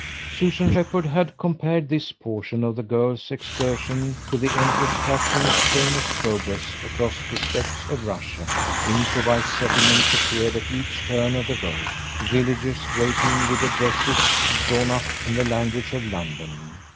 Susan Shepherd had compared this portion of the girl's excursion to the Empress Catherine's famous progress across the steppes of Russia; improvised settlements appeared at each turn of the road, villagers waiting with addresses drawn up in the language of London.